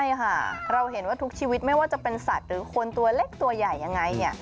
ใช่ค่ะเราเห็นว่าทุกชีวิตไม่ว่าจะเป็นสัตว์หรือคนตัวเล็กตัวใหญ่ยังไงเนี่ย